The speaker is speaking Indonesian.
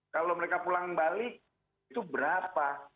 kalau mereka pulang balik itu berapa